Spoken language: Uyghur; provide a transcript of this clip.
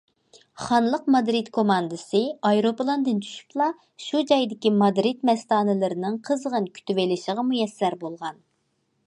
خانلىق مادرىد كوماندىسى ئايروپىلاندىن چۈشۈپلا شۇ جايدىكى مادرىد مەستانىلىرىنىڭ قىزغىن كۈتۈۋېلىشىغا مۇيەسسەر بولغان.